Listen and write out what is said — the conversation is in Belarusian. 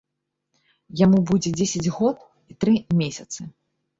Яму будзе дзесяць год і тры месяцы.